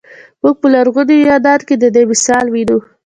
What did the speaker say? موږ په لرغوني یونان کې د دې مثال وینو.